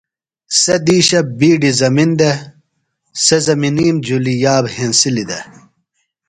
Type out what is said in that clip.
سےۡ دِیشہ بِیڈیۡ زمِن دےۡ۔ سےۡ زمنیم جُھلیۡ یاب ہنسِلیۡ دےۡ۔